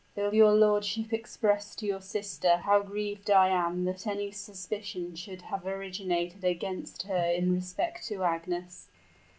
Will your lordship express to your sister how grieved I am that any suspicion should have originated against her in respect to Agnes?"